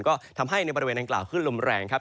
ก็ทำให้ในบริเวณดังกล่าวขึ้นลมแรงครับ